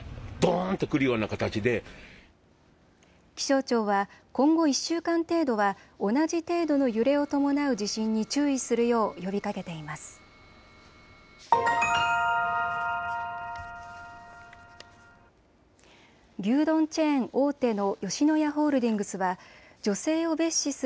気象庁は今後１週間程度は同じ程度の揺れを伴う地震に注意するよう呼びかけています。